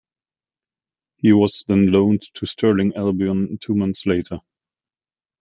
He was then loaned to Stirling Albion two months later.